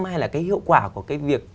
hay là cái hiệu quả của cái việc